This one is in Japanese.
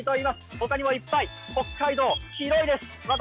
他にもいっぱい北海道広いです私